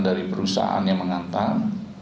dari perusahaan yang mengantar